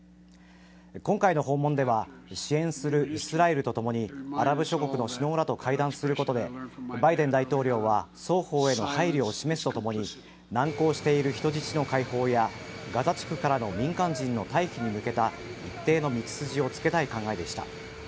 今回の訪問では支援するイスラエルとともにアラブ諸国の首脳らと会談することでバイデン大統領は双方への配慮を示すとともに難航している人質の解放やガザ地区からの民間人の退避に向けた一定の道筋をつけたい考えでした。